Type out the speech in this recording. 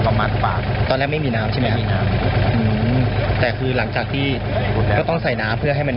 ซ้อน๔ใบไว้หรอตอนแรกไม่มีน้ำใช่มั้ยแต่คือหลังจากที่ก็ต้องใส่น้ำเพื่อให้มัน